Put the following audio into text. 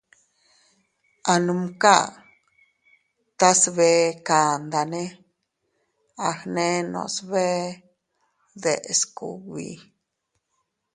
A numka tas bee kandane a gnenos bee deʼes kugbi.